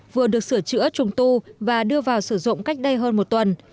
vừa được sửa chữa trùng tu và đưa vào sử dụng cách đây hơn một tuần